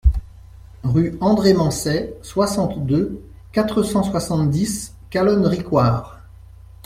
Rue André Mancey, soixante-deux, quatre cent soixante-dix Calonne-Ricouart